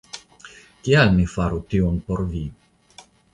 Kial mi faru tion por vi?